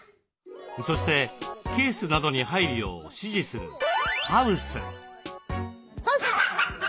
そしてケースなどに入るよう指示する「ハウス」。